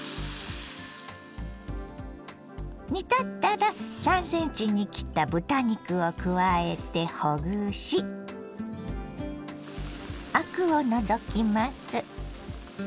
煮立ったら３ｃｍに切った豚肉を加えてほぐしアクを除きます。